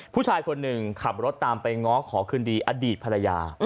ผู้ชายคนหนึ่งขับรถตามไปง้อขอคืนดีอดีตภรรยา